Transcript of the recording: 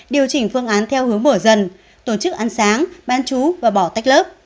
điều chỉnh phương án theo hướng mở dần tổ chức ăn sáng bán chú và bỏ tách lớp